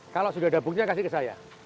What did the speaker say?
kalau sudah ada bukti kasih ke saya